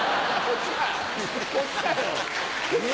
こっちかい！